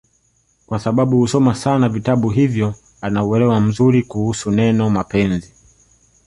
kwasababu husoma sana vitabu hivyo ana uwelewa mzuri kuhusu neno mapenzi